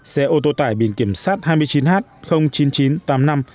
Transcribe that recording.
xe ô tô tải biển kiểm sát hai mươi chín h chín nghìn chín trăm tám mươi năm